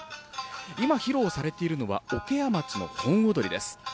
今、披露されているのは、桶屋町の本踊です。